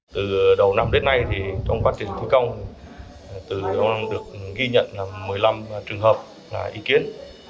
từ đầu năm đến nay thì trong quá trình thi công từ được ghi nhận một mươi năm trường hợp ý kiến